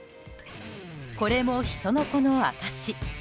これも人の子の証し。